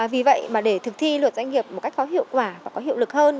vì vậy mà để thực thi luật doanh nghiệp một cách có hiệu quả và có hiệu lực hơn